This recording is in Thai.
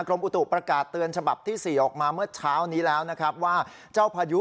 อุตุประกาศเตือนฉบับที่๔ออกมาเมื่อเช้านี้แล้วนะครับว่าเจ้าพายุ